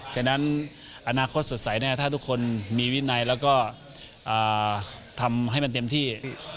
ฉะนั้นอนาคตสดใสถ้าทุกคนมีวินัยแล้วก็ทำให้มันเต็มที่